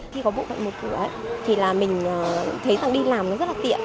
khi có bộ phận một cửa thì mình thấy đi làm rất là tiện